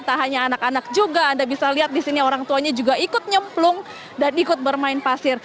tak hanya anak anak juga anda bisa lihat di sini orang tuanya juga ikut nyemplung dan ikut bermain pasir